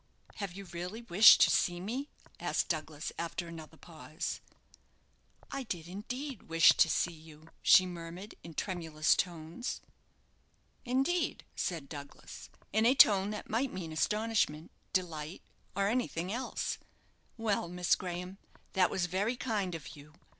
"Have you really wished to see me?" asked Douglas, after another pause. "I did indeed wish to see you," she murmured, in tremulous tones. "Indeed!" said Douglas, in a tone that might mean astonishment, delight, or anything else. "Well, Miss Graham, that was very kind of you.